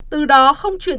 từ đó không chuyển